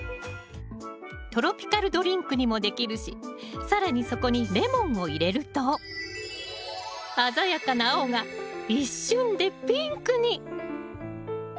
トロピカルドリンクにもできるし更にそこにレモンを入れると鮮やかな青が一瞬でピンクに！